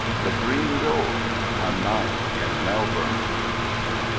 THE GREEN DOOR. A Night in Melbourne.